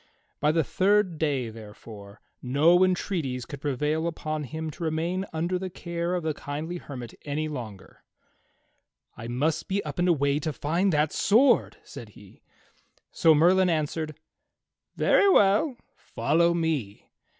By the third day, therefore, no entreaties could prevail upon him to remain under the care of the kindly hermit any longer. "I must be up and away to find that sword," said he. So Merlin answered: "Very well. Follow me."